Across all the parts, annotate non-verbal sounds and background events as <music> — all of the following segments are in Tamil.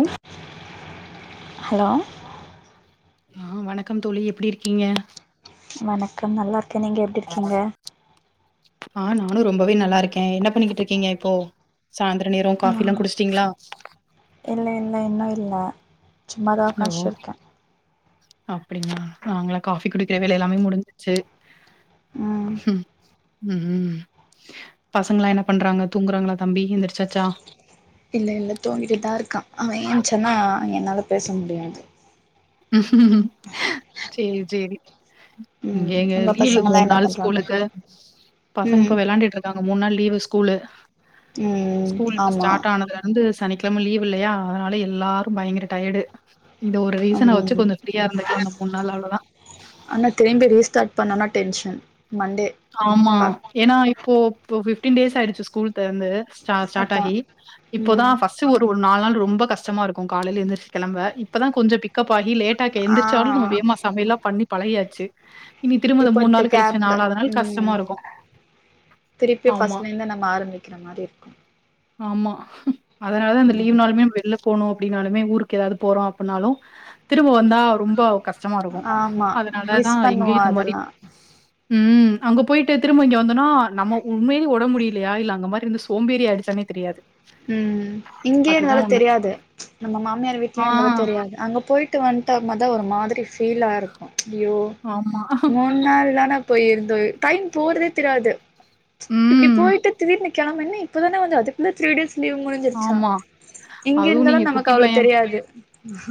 உம் ஹலோ ஆஹ் வணக்கம் தோழி எப்படி இருக்கீங்க வணக்கம் நல்லா இருக்கெ நீங்க எப்டி இருகீங்க ஆஹ் நானு ரொம்பவே நல்லா இருக்கே என்ன பண்ணிகிட்டு இருகீங்க இப்போ சாந்த்ரோ நேரோ காஃபில்லா ஆஹ் குடுச்ட்டீங்ளா ம்மா சும்மா தா ஒக்காஞ்ருக்கே அப்டிங்ளா நாங்ளா காபி குடிக்ற வேல எலாமே முடுஞ்ச்சு ம் உம்ம் பசங்ளா என்ன பண்றாங்க தூங்றாங்ளா இல்ல இல்ல தூங்கிட்டுதா இருகான் அவன் ஏந்ச்சானா என்னால பேச முடியாது ம்ஹ்ம் செரி செரி ங்க ம் எங்க உங்க லீவு பசங்கல்லாம் மூண் என்ன நாள் பண்றாங்க ஸ்கூலுக்கு பசங்க ம் இப் வெளயாண்ட்ருாங்க மூண் நாள் லீவு ஸ்கூலு ம் ஸ்கூல் இப்ப ஆமா ஸ்டாட் ஆனதுல இருந்து சனிக் கெழம லீவ் இல்லயா அதனால எல்லாரு பயங்ர டயடு இத ஒரு ரீசன வச்சு கொஞ்சோ ஃப்ரீயா இருந்துக்கலா அந்த மூணு நாள் அவ்ளோதா ஆனா திரும்பி ரீஸ்டாட் பண்ணனா டென்ஷன் மண்டே ஆமா பா ஏனா இப்போ இ பிஃப்டீன் டேஸ் ஆய்டுசு ஸ்கூல் தெறந்து ஸ்டா ஸ்டாட் அதான் ஆகி இப்பொதா ம் ஃபர்ஸ்ட் ஒரு ஒரு நாலு நாள் ரொம்ப கஷ்டமா இருக்கூ காலைல எந்ருசு கெளம்ப இப்பதா கொஞ்சொ பிக்கப் ஆகி லேட்டாக்க ஆ எந்ரிச்சாலு நம்ம வேமா சமையல்லா பண்ணி பழகியாச்சு இனி திரும்பத மூண் நாளு கழுச்சு நாலாவ்து நாள் கஷ்டமா உம் இருக்கும். திருப்பி ஆமா, ஃபஸ்ட்லே இருந்து நம்ம ஆரம்க்ற மாரி இருக்கூ ஆமா அதனால தா அந்த லீவ்னாலுமே நம் வெள்ள போணு அப்டினாலுமே ஊருக்கு எதாவது போறோ அப்பினாலு த் திரும்ப வந்தா ரொம்ப கஷ்டமா இருக்கூ ஆமா அதனாலதா மிஸ் எங்யு பண்ணுவா இந்த மாரி அதெல்லா உம் அங்க போய்ட்டு திரும்ப இங்க வந்தொனா நம்ம உண்மையா ஒடம் முடிய யாரில்ல அங்க மாரி இருந்து சோம்பேரி ஆய்ச்சாமே தெரியாது உம் இங்கே அதுதான் இருந்தாலு உண்மை. தெரியாது ம்ச் நம்ம மாம்யார் ஆ வீட்லயே இருந்தாலு தெரியாது அங்க போயிட் விட்டு வந்துட்ட மொத ஒரு மாத்ரி ஃபீலா இருக்கூ அய்யோ ஆமா. மூண் நாள் தான போய்ருந்தோ டைம் போறதே தெரியாது இப்டி ம். போய்ட்டு திடீர்னு கெழம்பு என்ன இப்பதான வந்தோ அதுகுள்ள த்ரீ டேஸ் லீவ் முடிஞ்ருசா அதுவு நீங்க குட்டி பையெ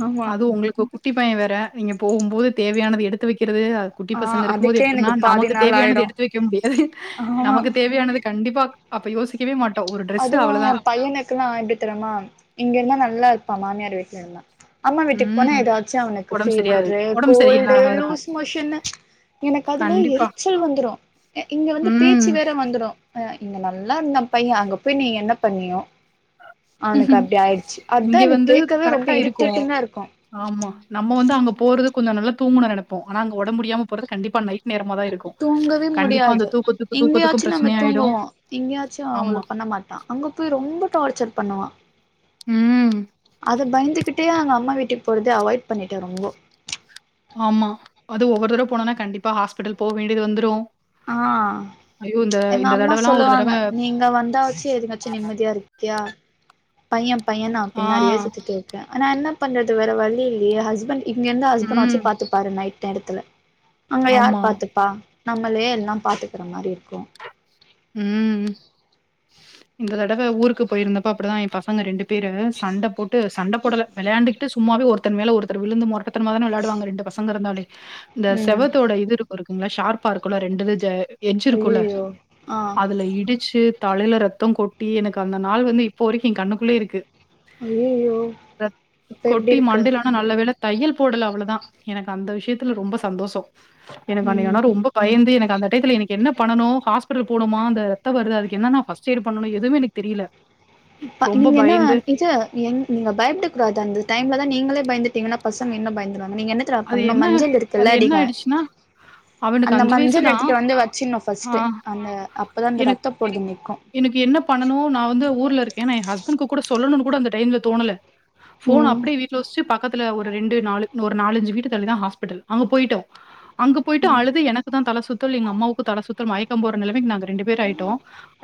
ஆமா அதுவு உங்ளுக்கு குட்டி பையெ வேற நீங்க போகும் போது தேவையானது எடுத்து வைக்ற து அ குட்டி ஆ பசங்க இருகும்போது அதுக்கே எப்ட்னா எனக்கு பாதி நமக்கு நாள் தேவையானது ஆயிடு எடுத்து வைக்க முடியாது ஆமா நமக்கு தேவையானது கண்டிப்பா அப்பயோசிக்கவே மாட் அதுவு ஏ பையனுகுல்லா எப்டி தெரிமா இங்க இருந்தா நல்லா இருப்பா மாம்யார் வீட்ல இருந்தா அம்மா வீட்டுகு போனா ம். எதாசு அவனுகு உடம்பு சரியாது ஃபீவரு உடம்பு கோல்டு சரியில்லாத இருக்கும். லூஸ் மோஷனு எனக்கு அதுலா கண்டிப்பா. எருச்சல் வந்துரு இங்க வந்து பேச்சு ம். வேற வந்துரு இங்க நல்லா இருந்த பையெ அங்க போய் நீ என்ன பண்ணியோ அவ்னுகு அப்டி ஆய்டுசு அத்தா இங்க எனக்கு வந்து கேக்கவே ரொம்ப கரெக்ட்டா இருக்கும். இரிட்டேடிங்கா இருக்கூ ஆமா நம்மோ வந்து அங்க போறது கொஞ்சொ நல்ல தூங்னு நெனபோ ஆனா அங்க ஒடம் முடியாம போறது கண்டிப்பா நைட் நேரம தா இருக்கூ தூங்கவே கண்டிப்பா அந்த முடியாது தூக்கத்துக்கு தூக்கத்துகூ இங்கயாச்சு நம்ம ப்ரச்னையா ஆய்டூ தூங்குவோ இங்கயாச்சு அவ்ளோ ஆமா பண்ண மாட்டா அங்க போய் ரொம்ப டார்சர் பண்ணுவான் உம்ம் அத பயந்துகிட்டே அங்க அம்மா வீட்டுக் போறத அவாய்ட் பண்ணிட்டெ ரொம்போ ஆமா அது ஒவ்வொரு தடவ போனொன கண்டிப்பா ஹாஸ்பிடல் போக வேண்டிது வந்துரு ஆஹ் எங்க அம்மா தடவலாம் ஒரு தடவ சொல்லுவாங்க நீ இங்க வந்தா வச்சு எதுங்காச்சு நிம்மதியா இருக்யா பையெ பையெ நா ஆ. பின்னாடி ஏசிதுட்டு இருகே ஆனா என்ன பண்றது வேற வழியெ இல்லிய ஹஸ்பண்ட் இங்க இருந்து ஹஸ்பண்ட வச்சு ம். பாத்துபாரு நைட் நேரத்ல அங்க யார் ஆமா. பாத்துப்பா நம்ளே எல்லா பாத்துக்ற மாரி இருக்கொ உம் இந்த தடவ ஊருக்கு போய்ருந்தப அப்டிதா ஏ பசங்க ரெண்டு பே பிரு சண்டை போட்டு சண்டை போடல விளையாண்டுகிட்டு சும்மாவே ஒருத்தங்க மேல ஒருத்தர் விழுந்து மொறட்டுத்தனமா தான விளாடுவாங்க ரெண்டு பசங்க இருந்தாலே இந்த ம் செவத்தோட இது இருக்கு இருக்குங்களா ஷார்ப்பா இருக்குல்ல ரெண்டு இது ஜ எஞ்சிருக்குல ஐயயோ ஆ அதுல இடிச்சு தலையில ரத்தோ கொட்டி எனக்கு அந்த நாள் வந்து இப்போ வரைக்கு என் கண்ணுக்குள்ளே இருக்கு ஐயயோ ரத் இப்ப எப்டி கொட்டி இருக்கு மாண்டேல ஆனா நல்ல வேள தையல் போடல அவ்வளோதா எனக்கு அந்த விஷயத்தில ரொம்ப சந்தோஷோ எனக்கு ம் ஆனா ரொம்ப பயந்து எனக்கு அந்த டையத்துல எனக்கு என்ன பண்ணனு போனுமா அந்த ரத்த வருது என்ன பஸ்ட் இயர் பண்ணணு எதுவுமே எனக்கு தெரியல ப ரொம்ப நீங்க என்ன பயந்து இது எங் நீங்க பயப்படக்கூடாது அந்த டைம்லதா நீங்களே பயந்துட்டு பாத்தீங்கன்னா பசங்க இன்னு பயந்துடுவாங்க நீங்க என்ன தெரியுமா அது பண்ணனு என்ன மஞ்சள் அது இருக்குல்ல என்ன அதிக ஆயிடுச்சுன்னா, அவனுக்கு அந்த வயசு மஞ்சள் தான். எடுத்துட்டு வந்து வச்சிருனு ஆ பஸ்ட்டு அந்த அப்பதா அந்த எனக்கு ரத்தம் போறது நிக்கும் எனக்கு என்ன பண்ணனு நா வந்து ஊர்ல இருக்கே நா என் ஹஸ்பண்ட்க்கு கூட சொல்லணும்னு கூட அந்த டைம்ல தோணல போன் ம் அப்டியே வீட்ல வச்சுட்டு பக்கத் ல ஒரு ரெண்டு நாலு ஒரு நாலஞ்சு வீடு தள்ளிதா ஹாஸ்பிட்டல் அங்க போயிட்டோ அங்க போயிட்டு அழுது எனக்குதா தல சுத்தல் எங்க அம்மாவுக்கு தல சுத்தல் மயக்கம் போடுற நிலைமைக்கு நாங்க ரெண்டு பேர் ஆயிட்டோ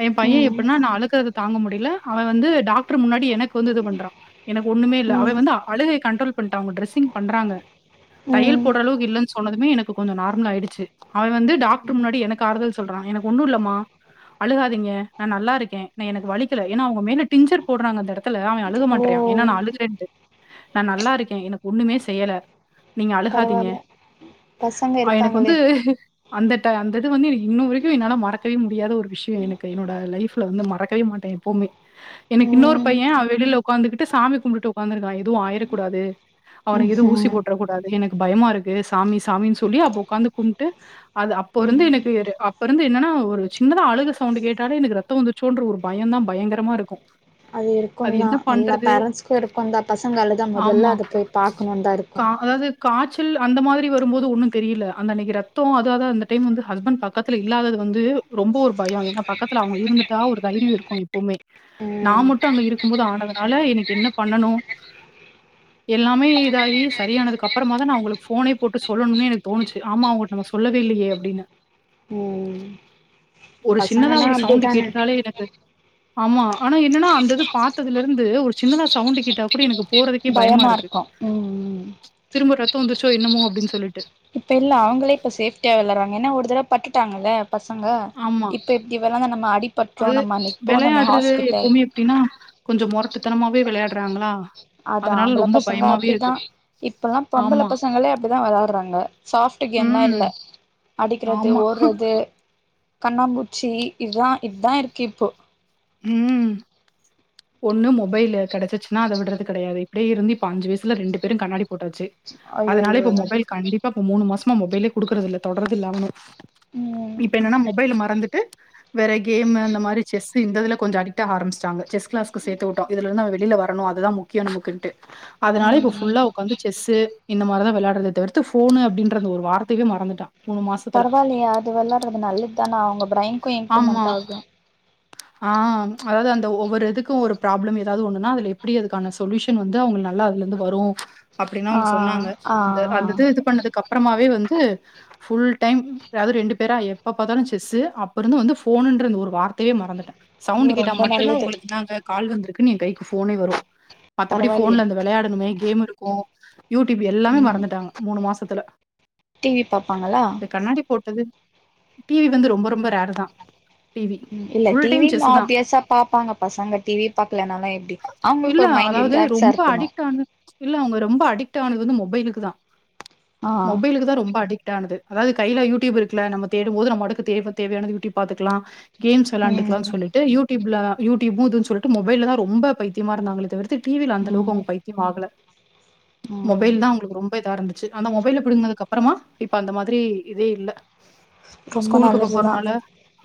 எம் பையே ம் எப்டினா நா அழுகுறத தாங்க முடியல அவே வந்து டாக்டர் முன்னாடி எனக்கு வந்து இது பண்றா எனக்கு ஒண்ணுமே இல்ல அவே ம் வந்து அழுகைய கண்ட்ரோல் பண்ட்டா அவுங்க டிரெஸ்ஸிங் பண்றாங்க தையல் ம் போடுற அளவுக்கு இல்லன்னு சொன்னதுமே எனக்கு கொஞ்சோ நார்மல் ஆயிடுச்சு அவள் வந்து டாக்டர் முன்னாடி எனக்கு ஆறுதல் சொல்றா எனக்கு ஒண்ணும் இல்லமா அழுகா திங்க நா நல்லா இருக்கே நா எனக்கு வலிக்கல ஏன்னா அவுங்க மேல டிஞ்சர் போடுறாங்க அந்த எடத் த்துல அவன் அழுக ஓ மாட்றியா ஏன்னா நா அழுகுறேன்ட்டு நா நல்லா இருக்கே எனக்கு ஒண்ணுமே செய்யல நீங்க அழுகாதீங்க பரவால்ல பசங்க அஹ் எனக்கு இருக்காங்களே வந்து அந்த ட அந்த இது வந்து எனக்கு இன்னு வரைக்கு என்னால மறக்கவே முடியாத ஒரு விஷயோ எனக்கு என்னோட லைஃப்ல வந்து மறக்கவே மாட்டே எப்போவுமே எனக்கு இன்னொரு ம் பையே அவ வெளியில ஒக்காந்துக்கிட்டு சாமி கும்பிட்டுட்டு உக்காந்துருக்கா எதுவு ஆயிரக்கூடாது ம் அவனுக்கு எதும் ஊசி போட்றக் கூடாது எனக்கு பயமா இருக்கு சாமி சாமின்னு சொல்லி அப்ப ஒக்காந்து கும்பிட்டு அது அப்போ இருந்து ம் எனக்கு அப்ப இருந்து என்னன்னா ஒரு சின்னதா அழுக சவுண்டு கேட்டாலே எனக்கு ரத்தோ வந்துச்சோன்ற ஒரு பயம் தா பயங்கரமா இருக்கும் அது இருக்கும் தா என்ன எல்லா பண்றது? பேரண்ட்ஸ்க்கு இருக்கும் தா பசங்க அழுதா முதல்ல அத போய் பாக்கணுன்னு தா இருக்கு காச்சல் அந்த மாரி வரும்போது ஒன்னும் தெரியல அந்த அன்னைக்கு ரத்தோ அதாது அந்த டைம் வந்து ஹஸ்பண்ட் பக்கத்து இல்லாதது வந்து ரொம்ப ஒரு பயோ ஏன்னா பக்கத்துல அவுங்க இருந்துட்டா ஒரு தைரியோ இருக்கு எப்பவுமே நா ம் மட்டும் அங்க இருக்கும் போது ஆனதுனால என் எனக்கு என்ன பண்ணணு எல்லாமே இதாகி சரியானதுக்கு அப்புறமா தா நா அவுங்களுக்கு போனே போட்டு சொல்லணுன்னே எனக்கு தோணுச்சு ஆமா அவுங்கட்ட நம்ம சொல்லவே இல்லையே அப்டின்னு ம் ஒரு சின்னதா பசங்கன்னா ஒரு சவுண்டு அப்டிதான கேட்டுட்டாலே எனக்கு ஆமா ஆனா என்னன்னா அந்த இது பாத்ததுல இருந்து ஒரு சின்னதா சவுண்டு கேட்டா கூட எனக்கு போறதுக்கே பயமா இருக்கு திரும்ப ரத்தோ வந்துருச்சோ என்னமோ அப்டின்னு சொல்லிட்டு இப்ப இல்ல பட்டுட்டாங்கள்ல பசங்க ஆமா. இப்ப இப்டி விளாந்து நம்ம அடிப்பட்டுட்டோ அது நம்ம அன்னைக்கி‌ போனோமே விளையாடுறது ஹாஸ்பிட்டல் எப்பவுமே எப்டின்னா கொஞ்சோ மொரட்டுத்தனமாவே விளையாடுறாங்களா அது அதனால ஆம்பள ரொம்ப பசங்க பயமாவே அப்டிதா இருக்கு. இப்பல்லா பொம்பள ஆமா. பசங்களே அப்டிதா வெளாடுறாங்க சாப் கேம்லா ம். இல்ல அடிக்கிறது ஆமா. ஓடுறது கண்ணாம்பூச்சி இதா இதுதா இருக்கு இப்போ உம் ஒண்ணு மொபைலு கெடச்சிச்சுன்னா அத விடுறது கெடையாது இப்டியே இருந்து இப்ப அஞ்சு வயசுல ரெண்டு பேரும் கண்ணாடி போட்டாச்சு அதனால இப்ப மொபைல் கண்டிப்பா இப்ப மூணு மாசமா மொபைலே குடுக்குறது இல்ல தொடுறது இல்லாம ம் இப்ப என்னன்னா மொபைல மறந்துட்டு வேற கேம் அந்த மாரி செஸ் இந்த இதில கொஞ்சோ அடிக்ட் ஆக ஆரம்பிச்சுட்டாங்க செஸ் கிளாஸ்க்கு சேத்து வுட்டோ இதுல இருந்து அவே வெளில வரனு அது தா முக்கியோ நமக்கின்ட்டு அதுனால இப்ப ம் ஃபுல்லா உக்காந்து செஸ்ஸு இந்த மாரிதா விளையாடுறது தவிர்த்து ஃபோனு அப்டின்ற அந்த ஒரு வார்த்தையவே மறந்துட்டான் மாசத்துல. பரவாயில்லையா அது விளாடுறது நல்லது தானா அவுங்க பிரைனுக்கு இம்ப்ரூவ்மெண்ட் ஆகும் ஆஹ் அதாவது அந்த ஒவ்வொரு இதுக்கும் ஒரு ப்ராப்ளம் எதாவது ஒண்ணுனா அதுல எப்படி அதுக்கான சொலியூஷன் வந்து அவுங்க அதுல இருந்து வரும் அப்படின்னு ஆ அவுங்க சொன்னாங்க ஆ ஆ அந்த இது இது பண்ணதுக்கு அப்புறமாவே வந்து ஃபுல் டைம் அது ரெண்டு பேரா எப்ப பாத்தாலு செஸ்ஸு அப்பருந்து வந்து ஃபோனுன்ற அந்த ஒரு வார்த்தையவே மறந்துட்டா சவுண்ட் ஐயோ கேட்டா ரொம்ப மட்டுந்தா நல்லது இந்தாங்க உங்களுக்கு கால் வந்து க்கு கைக்கு போனே வரும் மத்தபடி பரவால்லையே போன்ல அந்த விளையாடணுமே கேம் இருக்கும் யூடியூப் எல்லாமே ம் மறந்துட்டாங்க மூணு மாசத்துல டிவி பாப்பாங்களா இந்த கண்ணாடி போட்ட து டிவி வந்து ரொம்ப ரொம்ப ரேருதா இல்ல டிவினு ஆபியஸா பாப்பாங்க பசங்க டிவி பாக்கலனாலா எப்படி அவுங்களுக்கு இல்ல ஒரு மைண்ட் ரிலி அதாவது ரொம்ப அடிக்ட் ஆனது இல்ல அவுங்க ரொம்ப அடிக்ட் ஆனது வந்து மொபைலுக்குதா ஆ மொபைலுக்குதா ரொம்ப அடிக்ட் டானது அதாவது கையில யூடியூப் இருக்குல நம்ம தேடும் போது நம்மடுக்கு தேவ தேவையான யூடியூப் பாத்துக்கலா கேம்ஸ் விளாண்டுக்கலானு ம் சொல்லிட்டு யூடியூப்ல யூடியூப்ம் இதுன்னு சொல்ட்டு மொபைலதா ரொம்ப பைத்தியமா இருந்தாங்களே தவிர்த் டிவியில அந்த அளவுக்கு ம் அவுங்க பைத்தியம் ஆகல ம் மொபைல்தா அவுங்களுக்கு ரொம்ப இதா இருந்துச்சு அந்த மொபைல்ல பிடிங்குனதுக்கு அப்பு அப்புறமா இப்ப அந்த மாதிரி இதே இல்ல ரொம்ப நல்லது னால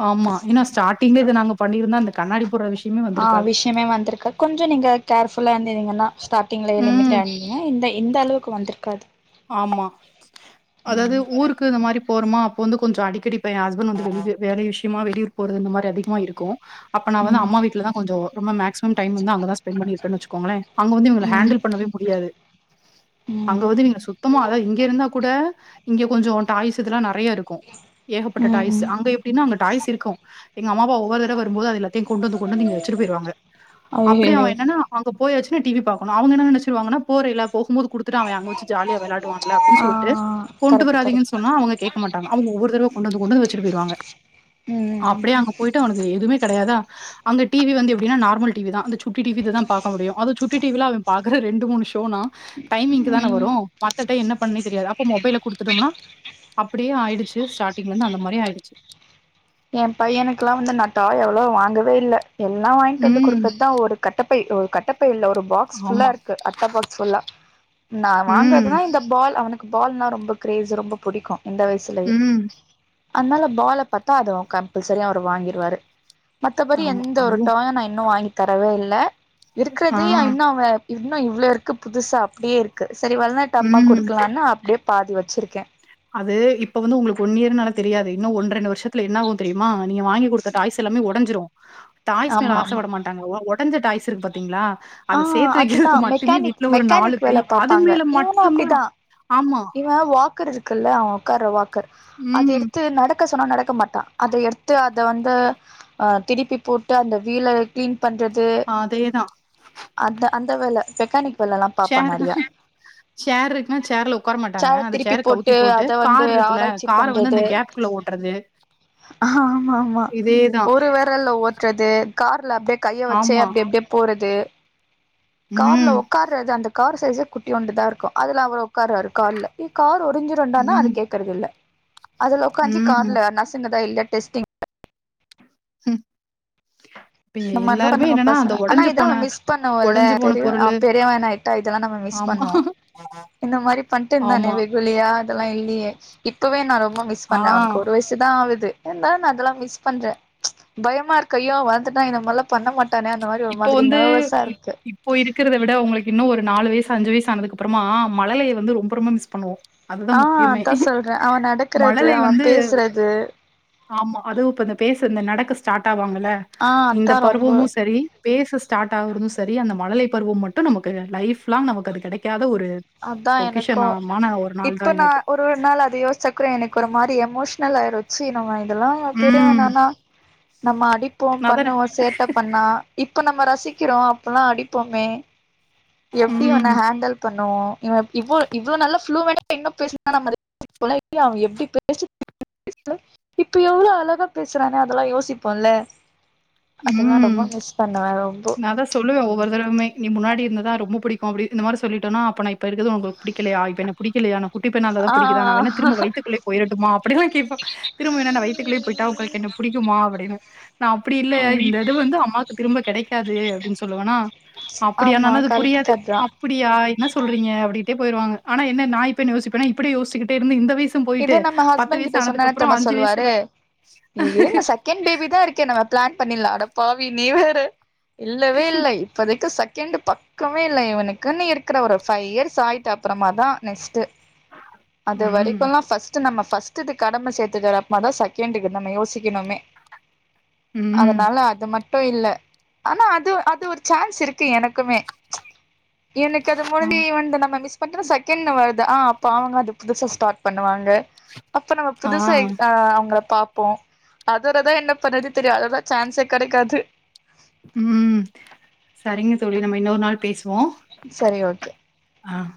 ஆமா ஏன்னா ஸ்டாட்டிங்ல இது நாங்க பண்ணிருந்தா இந்த கண்ணாடி போடுற விஷய ஆஹ் விஷயமே வந்திருக்காது கொஞ்ச நீங்க கேர்ஃபுல்லா இருந்தீங்கன்னா ஸ்டார்டிங்லயே ம். லிமிட்டா இருந்தீங்கனா இந்த இந்த அளவுக்கு வந்துருக்காது ஆமா அதாது ஊருக்கு இந்த மாரி போறோமா அப்போ வந்து கொஞ்ச அடிக்கடி இப்ப என் ஹஸ்பண்ட் வந்து வெளி வேலை விஷயமா வெளியூர் போறது இந்த மாரி அதிகமா இருக்கும் அப்ப நா வந்து அம்மா ம் வீட்டுலதான் கொஞ்சோ ரொம்ப மேக்சிமம் டைம் வந்து அங்கதா ஸ்பெண்ட் பண்ணிருப்பேனு வெச்சுக்கோங்களே அங்க வந்து இவன ம் ஹேண்டில் பண்ணவே முடியாது அங்க ம் வந்து நீங்க சு மொத்தமா அதா இங்க இருந்தா கூட இங்க கொஞ்சோ டாய்ஸ் இதெல்லா நிறைய இருக்கும் ஏகப்பட்ட ம் டாய்ஸ் ம் அங்க எப்டின்னா அங்க டாய்ஸ் இருக்கும் எங்க அம்மா அப்பா ஒவ்வரு தடவ வரும்போது அதுல கொண்டு வந்து கொண்டு வந்து இங்க வச்சட்டு போயிருவாங்க அப்படி அவ ஐயையோ என்னானா அங்க போய் வச்சு டிவி பாக்கணு அவுங்க என்ன நினச்சிருவாங்கனா போறேல்ல போகும் போது குடுத்துட்டு அவே அங்க வெச்சு ஜாலியா விளாடுவான் அப்படின்னு ஆ சொல்ட்டு கொண்டு கரெக்ட் கரெக்ட் வராதீங்கன்னு சொன்னா அவுங்க கேட்க மாட்டாங்க அவுங்க ஒவ்வொரு தடவை கொண்டந்து கொண்டந்து வச்சட்டு போயிருவாங்க ம் அப்டியே அங்க போயிட்டு அவனுக்கு எதுவுமே கிடையாதா அங்க டிவி வந்து எப்படினா நார்ல் டிவி தா அந்த சுட்டிவி இததா பாக்க முடியு அதும் சுட்டி டிவிலா அவன் பாக்குறதே ரெண்டு மூணு ஷோனா டைமிங்க்கு தானே ம் வரும் மத்த டை என்ன பண்ணனே தெரியாது அப்ப மொபைல குடுத்துட்டோனா அப்டியே ஆயிடுச்சு ஸ்டார்டிங்ல இருந்து அந்த மாதிரியே ஆயிடுச்சு என் பையனுக்குல்லா வந்து நா தாயோ எவ்வளோ வாங்கவே இல்ல எல்லா வாங்கிட்டு வந்து ம் கொடுக்குறதுதான் ஒரு கட்டப்பை கட்ட இல்ல ஒரு பாக்ஸ் ஃபுல்லா ஆமா இருக்கு அட்ட பாக்ஸ் ஃபுல்லா நா ம் வாங்கறதுதா இந்த பால் அவனுக்கு பால்னா ரொம்ப கிரேஸ் ரொம்ப பிடிக்கு இந்த வயசுலயே ம் அதனால பால பாத்தா அத கம்பல்சரியா அவர் வாங்கிருவாரு மத்தபடி ஆமா எந்த ஒரு அதுவும் டாயு நா இன்னு வாங்கி தரவே இல்ல ஆ இருக்கிறதயே இன்னு அவ இன்னு இவ்வளோ இருக்கு புதுசா அப்படியே இருக்கு செரி வர்லனா டமா ம் கொடுக்கலானு அப்டியே பாதி வச்சிருக்கு அது இப்ப வந்து உங்களுக்கு ஒன் இயர்னால தெரியாது இன்னு ஒன் ரெண்டு வருஷத்துல என்னாகும் தெரியுமா நீங்க வாங்கி குடுத்த டாய்ஸ் எல்லாமே உடைஞ்சுரு டாய்ஸ் மேல ஆமா ஆமா ஆசைப்பட மாட்டாங்க உடஞ்ச டாய்ஸ் இருக்கு பாத்தீங்களா ஆ அத சேத்து அதுதா வைக்கிறதுக்கு மட்டுமே மெக்கானிக் வீட்ல ஒரு நாலு மெக்கானிக் பை வேல அது மேல மட்டுந்தா இவ வாக்கர் இருக்குல்ல உட்கார்ற வாக்கர் அது ம். எடுத்து நடக்க சொன்னா நடக்க மாட்டா அத எடுத்து அதை வந்து அஹ் திருப்பி போட்டு அந்த வீல கிளீன் பண்றது அதேதான். அந்த அந்த வேலை மெக்கானிக் வேலல்லா பாப்பா ஷேர் நெறையா ஷேர் இருக்குனா சேர்ல உக்கார மாட்டாங்க அந்த திருப்பி சேர கவுத்தி போட்டு அத வந்து கார் இருக்குல ஆராய்ச்சி கார வந்து அந்த கேப்க்குகள்ள ஓட்டுறது ஆஹ ஆமா ஆமா இதேதான். ஒரு விரல்ல ஓட்டுறது கார்ல அப்படியே கையை வச்சே ஆமா. அப்படி அப்படியே போறது கார்ல ம். உட்காருறது அந்த கார்சைஸ்குட்டி ஒண்டுதான் இருக்கும் அதுல அவ உட்காருராரு கார்ல ஏய் கார் ஒறிஞ்சிருண்டானா ம். அது கேக்குறது இல்ல அதுல உடக்காந்து ம். கார்ல நர்ஸ்ங்கதான் இல்ல டெஸ்டி ம் நம்ம இருந்து பண்ணங்க பசங்க ஆனா இத அவ மிஸ் பண்ணுவோம்ல்ல ஒடஞ்சு போன பெரிய பொருளு. பெரியவன் ஆயிட்டா இதெல்லாம் நம்ம மிஸ் ஆமா பண்ணுவோ இந்த மாதிரி பண்ணிட்டு இருந்தானே ஆமா. வெகுலியா இதெல்லாம் இல்லையே இப்பவே நான் ரொம்ப மிஸ் பண்றேன் ஆ. அவனுக்கு ஒரு வயசுதான் ஆகுது இருந்தாலும் நான் அதெல்லாம் மிஸ் பண்றேன் பயமா இருக்க யோ வந்துன்னா இந்த மாதிரல்லாம் பண்ண மாட்டேன் இப்போ வந்து இப்போ இருக்கிறத விட உங்களுக்கு இன்னும் ஒரு நாலு வயசு அஞ்சு வயஸ் ஆனது அப்புறமா மழலையை வந்து ரொம்ப ரொம்ப மிஸ் பண்ணுவோம் ஆ அதுதான் முக்கியமே அதா சொல்றே அவ நடக்கறது மழலை அவ வந்து பேசுறது ஆமா அதுவும் இப்ப இந்த பேசு இந்த நடக்கு ஸ்டார்ட் ஆவாங்கல்ல ஆ இந்த அதா ரொம்ப பருவமும் சரி பேச ஸ்டார்ட் ஆகுறதும் சரி அந்த மழலை பருவம் மட்டும் நமக்கு லைப்லா் நமக்கு அது கிடைக்காது அதான் எனக்கும் ஒரு நாள் இப்ப தான் எனக்கு. நான் ஒரு ஒரு நாள் அது யோசிச்சக்குற எனக்கு ஒரு மாதிரி எமோஷனல் ஆயிரச்சு நம்ம இதெல்லாம் பெரியவ ம். நானா நம்ம அடிப்போம் அதானே. பண்ணுவோம் சேட்டை பண்ணா இப்ப நம்ம ரசிச் திக்கிறோம் அப்பல்லாம் அடிப்போமே எப்படி இவன ம். ஹேண்டல் பண்ண <inaudible> <inaudible> அவன் எப்படி பேசி இப்ப எவ்வளவு அழகா பேசுறானே அதெல்லாம் யோசிப்போம்ல உம் நான் தான் சொல்லுவேன் ஒவ்வொரு தடவுமே நீ முன்னாடி இருந்ததா ரொம்ப பிடிக்கும் அப்படி இந்த மாதிரி சொல்லிட்டம்னா அப்பப்ப நான் இருக்கு உங்களுக்கு பிடிலையா இப்ப என் படிக்கலையா குட்டி பையனா இருந்தா தான் ஆ புடிக்குதா ஆ நான் வேணா திரும்ப உங்க வய்த்துக்கொள்ள போயட்டுமா அப்படியெல்லாம் கேட்பான் திரும்ப வத்துக்குள்ளே போய்ட்டா உங்களுக்கு பிடிக்குமா அப்படின்னு நான் அப்படி இல்ல ஆ இந்த ம் இது வந்து அம்மாக்கு திரும்ப கிடைக்காது அப்படின்னு சொல்லுவனா அப்படியா ஆமா நானா அது கரெக்ட் புரியாது கதா அப்படியா என்ன சொல்றீங்க அப்படி அப்படியே போயிடுவாங்கஆனா என் நான் இப்ப யோசிப்பே இப்படி யோசிக்கிட்டே இரு இந்த வயசும் போயிட்டு இதே நம்ம பத்து வயசு ஆனதுக்கு அப்புறம் அஞ்சு வயசுல நீங்க விடுங்கசெகண்ட் பேபி தான் இருக்கேன் நம்ப பிளான் பண்ணல அட பாவி நீ வேற இல்லவே இல்லை இப்பதக்கு சக்தி செகண்ட்டு பக்கமே இல்லை இவனுக்கு நீ இருக்கிற ஒரு ஃபைவ் இயர்ஸ் ஆய்ட்டு அப்புறமா தான் நெக்ஸ்ட் அது உம் வரைக்கும்லா ஃபர்ஸ்ட் நாம ஃபஸ்டுக்கு நம்ம கடமை சேர்த்துட்டுரப்ப தான் செகண்ட்க்கு நம்ம யோசிக்கணமே ம், அதனால அது மட்டும் அது மட்டும் இல்ல ஆனா அது அது ஒரு சான்ஸ் இருக்கு எனக்குமே எனக்கு அது முழு ஆ, ஈவன் டூ நம்ப மிஸ் பண்ட செகண்ட் வருது ஆ அப்ப அவங்க அது புதுசா ஸ்டார்ட் பண்ணுவாங்க அப்ப நம்ம ஆ, புதுசா அவங்க பார் பாப்போம் அதோடதான் என்ன பண்ணறது தெரியும் அதது தான் சான்ஸ் எனக்கு கிடைக்காது உம் சரிங்க தோழி நம்ம இன்னொரு நாள் பேசுவோம் சரி ஓகே ஆஹ்